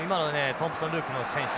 トンプソンルーク選手